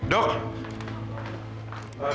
itu cukup luar biasa